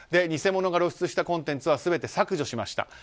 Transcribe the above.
偽物が露出したコンテンツは全て削除しました。